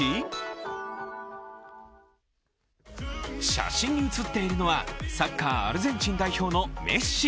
写真に写っているのはサッカー、アルゼンチン代表のメッシ。